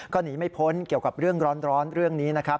ก็หนีไม่พ้นเกี่ยวกับเรื่องร้อนเรื่องนี้นะครับ